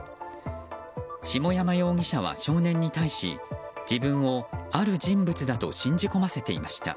下山容疑者は、少年に対し自分をある人物だと信じ込ませていました。